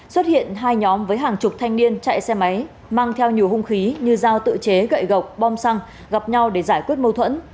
xuất hiện hai nhóm với hàng chục thanh niên chạy xe máy mang theo nhiều hung khí như dao tự chế gậy gọc bom xăng gặp nhau để giải quyết mâu thuẫn